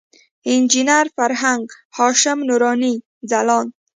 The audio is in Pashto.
انجینر فرهنګ، هاشم نوراني، ځلاند.